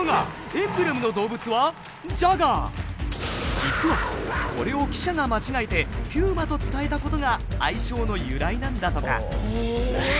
実はこれを記者が間違えてピューマと伝えたことが愛称の由来なんだとか。